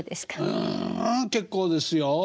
うん結構ですよ。